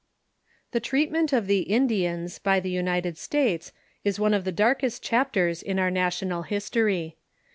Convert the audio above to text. The treatment of the Indians l)y the United States is one of llie darkest chapters in our national history.